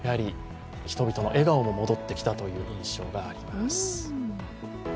人々の笑顔も戻ってきた印象があります。